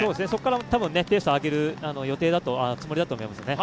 そこから多分、ペースを上げるつもりだと思います。